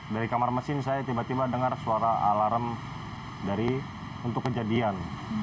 dari kamar mesin saya tiba tiba dengar suara alarm untuk kejadian